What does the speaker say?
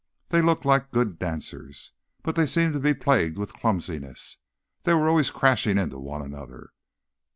They looked like good dancers, but they seemed to be plagued with clumsiness; they were always crashing into one another.